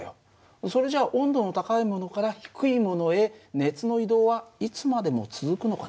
それじゃ温度の高いものから低いものへ熱の移動はいつまでも続くのかな？